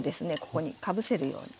ここにかぶせるように。